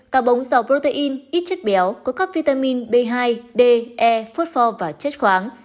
cá bống dò protein ít chất béo có các vitamin b hai d e phốt pho và chất khoáng